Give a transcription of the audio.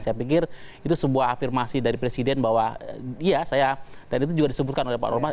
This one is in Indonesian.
saya pikir itu sebuah afirmasi dari presiden bahwa ya saya tadi itu juga disebutkan oleh pak roman